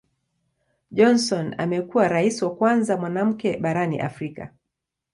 Johnson amekuwa Rais wa kwanza mwanamke barani Afrika.